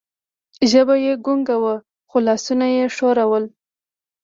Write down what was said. ژبه یې ګونګه وه، خو لاسونه یې ښورول.